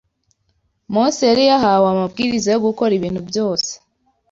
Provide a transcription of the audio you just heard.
Mose yari yahawe amabwiriza yo gukora ibintu byose